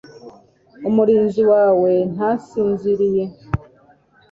umurinzi wawe ntasinziriye